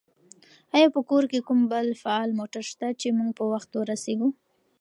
آیا په کور کې کوم بل فعال موټر شته چې موږ په وخت ورسېږو؟